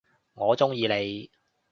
我中意你！